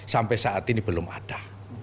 sampai saat ini belum ada